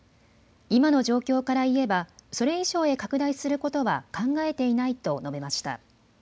今の状況から言えばそれ以上へ拡大することは考えていないと述べました。